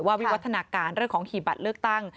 วิวัฒนาการเรื่องของหีบบัตรเลือกตั้ง